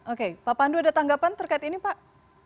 oke pak pandu ada tanggapan terkait ini pak